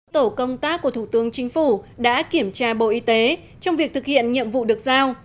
tổ công tác của thủ tướng chính phủ đã kiểm tra bộ y tế trong việc thực hiện nhiệm vụ được giao